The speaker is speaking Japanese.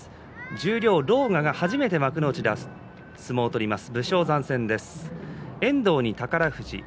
十両、狼雅が初めて幕内で相撲を取ります。